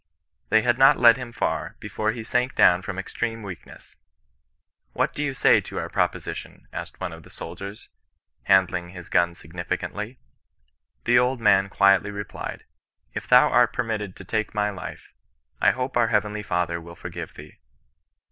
They had not led him far, before he sank down from extreme weakness. " What do you say to our proposition r* asked one of the soldiers, handling his gun significantly. The old man quietly replied, "If thou art permitted to take my life, I hope our Heavenly Father will forgive thee."